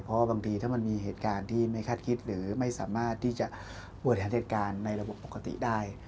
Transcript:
เพราะว่าบางทีถ้ามันมีเหตุการณ์ที่ไม่คาดคิดหรือไม่สามารถที่จะบริหารเหตุการณ์ในระบบปกติได้